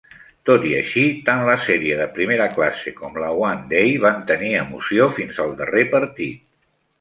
Tot i així, tant la sèrie de primera classe com la One Day van tenir emoció fins al darrer partit.